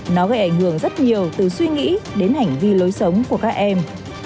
nó gây ảnh hưởng rất nhiều từ suy nghĩ đến hành vi lối sống của các em